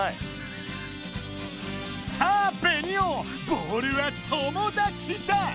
さあベニオボールは友だちだ！